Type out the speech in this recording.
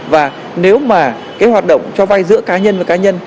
và nếu mà cái hoạt động cho vay giữa cá nhân và cá nhân